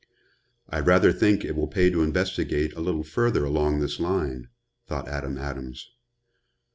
"I rather think it will pay to investigate a little further along this line," thought Adam Adams.